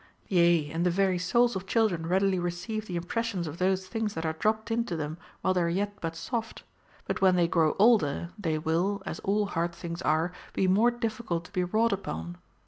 Yea, and the very souls of children readily receive the impres sions of those things that are dropped into them while they are yet but soft ; but when they grow older, they will, as all hard things are, be more difficult to be wrought upon.